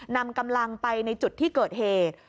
นำกำลังไปในจุดที่เกิดเหตุ